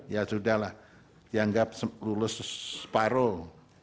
ya sudah lah dianggap lulus separuh